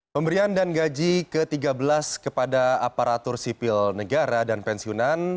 pemberian dan gaji ke tiga belas kepada aparatur sipil negara dan pensiunan